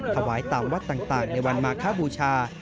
ถวายตามวัดต่างในวันมาคบูชา